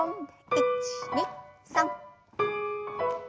１２３。